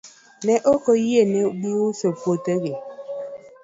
Ne ok oyienegi uso puothgi.